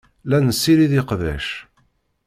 La nessirid iqbac.